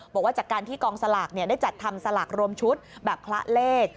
บอกว่าจากการที่กองสลากได้จัดทำสลากรวมชุดแบบคละเลข